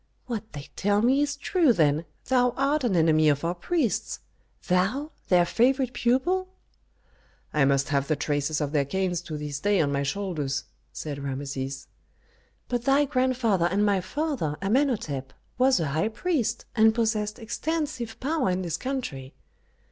"What they tell me is true then, thou art an enemy of our priests. Thou, their favorite pupil!" "I must have the traces of their canes to this day on my shoulders," said Rameses. "But thy grandfather and my father, Amenhôtep, was a high priest, and possessed extensive power in this country."